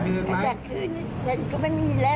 ตั้งแต่คืนนี้ฉันก็ไม่มีแล้ว